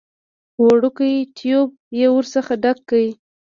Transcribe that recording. وړوکی ټيوب يې ورڅخه ډک کړ.